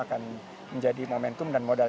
akan menjadi momentum dan modal